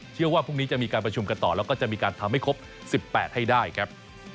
เชื่อว่าพรุ่งนี้จะมีการประชุมกันต่อแล้วก็จะมีการทำให้ครบ๑๘ให้ได้ครับ